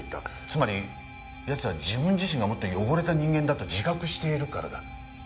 つまり奴は自分自身がもっと汚れた人間だと自覚しているからだ。